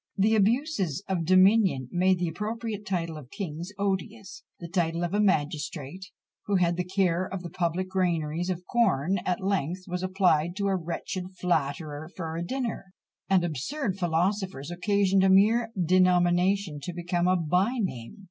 The abuses of dominion made the appropriate title of kings odious; the title of a magistrate, who had the care of the public granaries of corn, at length was applied to a wretched flatterer for a dinner; and absurd philosophers occasioned a mere denomination to become a by name.